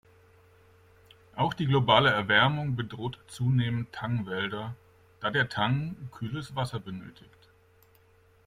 Auch die globale Erwärmung bedroht zunehmend Tangwälder, da der Tang kühles Wasser benötigt.